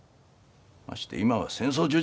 まして今は戦争中じゃ。